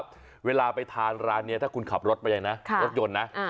เวลาไปทานร้านนี้ถ้าคุณขับรถไปเลยนะรถยนต์นะ